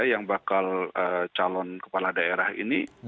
yang bakal calon kepala daerah ini